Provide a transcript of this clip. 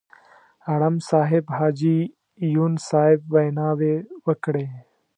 اړم صاحب، حاجي یون صاحب ویناوې وکړې.